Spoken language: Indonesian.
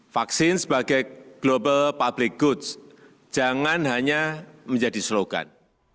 vaksin sebagai global public goods jangan hanya menjadi slogan